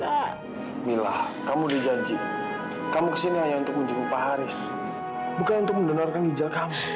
kamila kamu dijanji kamu kesini hanya untuk menjemput pak haris bukan untuk mendonorkan ginjal kamu